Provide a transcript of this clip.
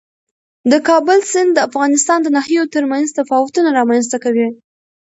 د کابل سیند د افغانستان د ناحیو ترمنځ تفاوتونه رامنځته کوي.